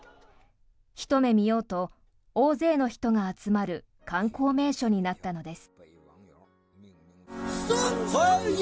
ひと目見ようと大勢の人が集まる観光名所になったのです。